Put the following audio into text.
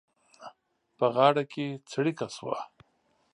په غاړه کې څړيکه شوه.